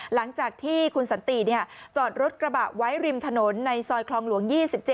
หลังจากที่คุณสันติจอดรถกระบะไว้ริมถนนในซอยคลองหลวง๒๗